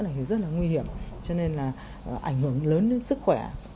này thì rất là nguy hiểm cho nên là ảnh hưởng lớn đến sức khỏe